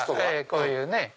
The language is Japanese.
こういうね。